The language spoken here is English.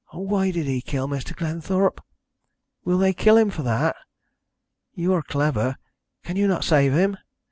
Oh, why did he kill Mr. Glenthorpe? Will they kill him for that? You are clever, can you not save him?